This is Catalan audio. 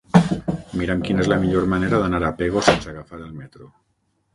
Mira'm quina és la millor manera d'anar a Pego sense agafar el metro.